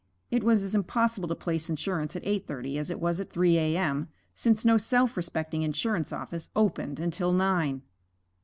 It was as impossible to place insurance at eight thirty as it was at three A.M., since no self respecting insurance office opened until nine.